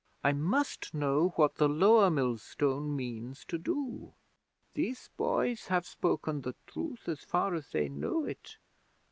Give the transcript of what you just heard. I must know what the lower millstone means to do. These boys have spoken the truth as far as they know it.